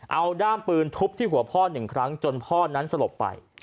เอาด้ามปืนทุบที่หัวพ่อหนึ่งครั้งจนพ่อนั้นสลบไป